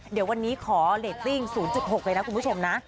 เดี๋ยววันนี้ขอเรตติ้ง๐๖เลยนะคุณผู้ชมนะ